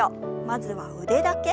まずは腕だけ。